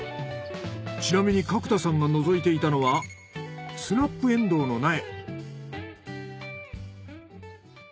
ちなみに角田さんが覗いていたのはスナップエンドウの苗。